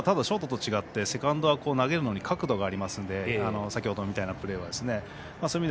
ショートと違ってセカンドは投げるのに角度がありますので先程みたいなプレーは。